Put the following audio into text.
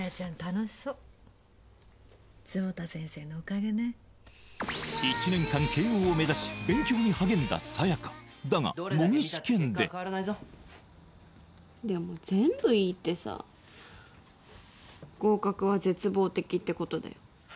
楽しそう坪田先生のおかげね一年間慶應を目指し勉強に励んださやかだが模擬試験ででも全部Ｅってさ合格は絶望的ってことだよ